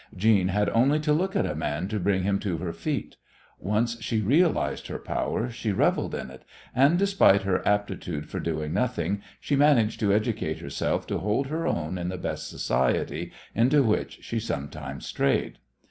Jeanne had only to look at a man to bring him to her feet. Once she realized her power she revelled in it, and, despite her aptitude for doing nothing, she managed to educate herself to hold her own in the best society, into which she sometimes strayed.